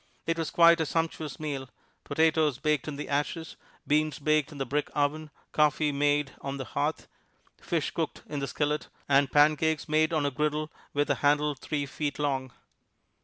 It was quite a sumptuous meal: potatoes baked in the ashes, beans baked in the brick oven, coffee made on the hearth, fish cooked in the skillet, and pancakes made on a griddle with a handle three feet long.